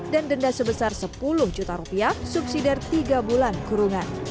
dan denda sebesar sepuluh juta rupiah subsidi dari tiga bulan kurungan